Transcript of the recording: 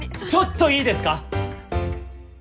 ちょっといいですか？